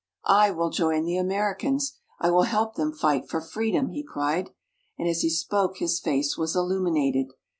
"I will join the Americans I will help them fight for Freedom!" he cried; and as he spoke his face was illuminated.